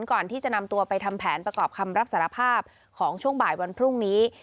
ก่อนที่จะนำตัวไปทำแผนประกอบคำรับสารภาพของช่วงบ่ายวันพรุ่งนี้